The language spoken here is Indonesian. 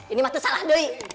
ini masih salah doi